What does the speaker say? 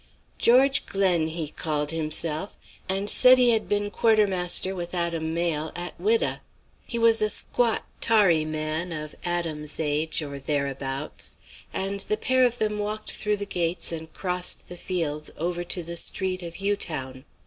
"George Glen he called himself, and said he had been quartermaster with Adam Mayle at Whydah. He was a squat, tarry man, of Adam's age or thereabouts, and the pair of them walked through the gates and crossed the fields over to the street of Hugh Town.